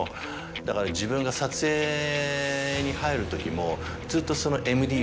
だから自分が撮影に入る時もずっとその。